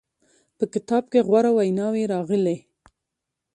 په کتاب کې غوره ویناوې راغلې.